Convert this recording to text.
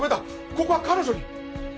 ここは彼女に